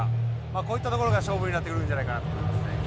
こういったところが勝負になってくるんじゃないかなと思いますね。